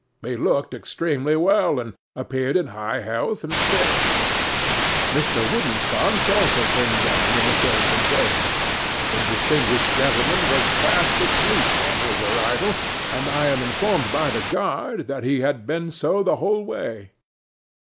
He looked extremely well, and appeared in high health and spirits. Mr. Woodensconce also came down in the same conveyance. The distinguished gentleman was fast asleep on his arrival, and I am informed by the guard that he had been so the whole way.